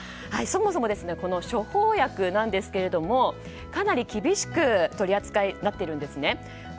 そもそも処方薬なんですがかなり厳しい取扱いになっているんですね。